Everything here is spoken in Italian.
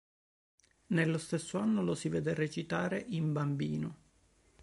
Nello stesso anno lo si vede recitare in "Bambino!